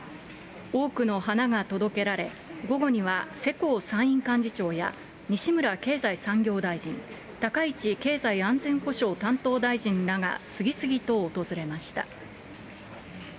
多くの花が届けられ、午後には、世耕参院幹事長や西村経済産業大臣、高市経済安全保障担当大臣らが次々と訪れました。